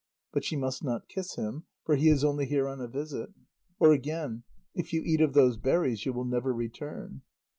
But she must not kiss him, for "he is only here on a visit." Or again: "If you eat of those berries, you will never return."